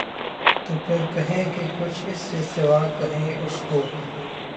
تو پھر کہیں کہ کچھ اِس سے سوا کہیں اُس کو